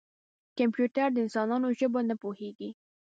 کمپیوټر د انسانانو ژبه نه پوهېږي.